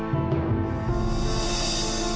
kamu juga bisa